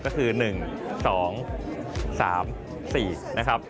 ก็คือ๑๒๓๔นะครับ